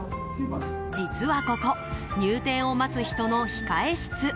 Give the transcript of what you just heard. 実はここ、入店を待つ人の控室。